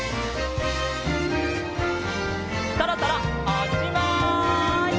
そろそろおっしまい！